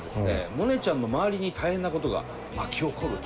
モネちゃんの周りに大変なことが巻き起こると。